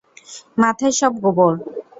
মাথায় সব গোবর!